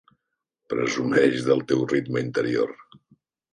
Presumeix del teu ritme interior.